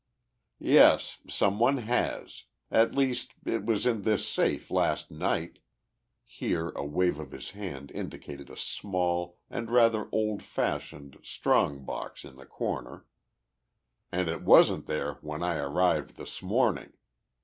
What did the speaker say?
"Yes, some one has. At least, it was in this safe last night" here a wave of his hand indicated a small and rather old fashioned strong box in the corner "and it wasn't there when I arrived this morning.